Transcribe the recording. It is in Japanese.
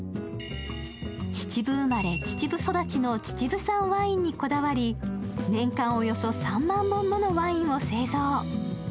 秩父生まれ、秩父育ちの秩父産ワインにこだわり、年間およそ３万本のワインを製造。